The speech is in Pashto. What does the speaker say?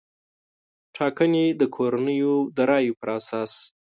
ټاګنې د کورنیو د رایې پر اساس